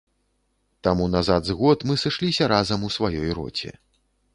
Таму назад з год мы сышліся разам у сваёй роце.